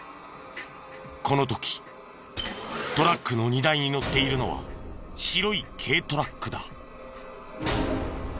この時トラックの荷台に載っているのは白い軽トラックだ。